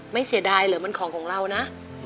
ไม่เสียดายเหลือมันของเรานะ